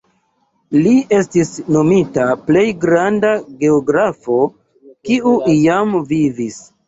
Li estis nomita plej granda geografo kiu iam vivis.